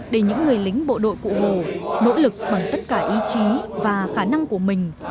để những người lính bộ đội cụ hồ nỗ lực bằng tất cả ý chí và khả năng của mình